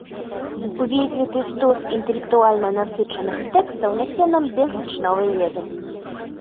Увесь гэты стос інтэлектуальна насычаных тэкстаў нясе нам безліч новай веды.